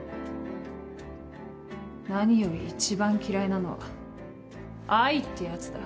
何より一番嫌いなのは「愛」ってやつだ。